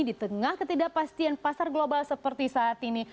di tengah ketidakpastian pasar global seperti saat ini